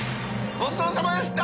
ごちそうさまでした！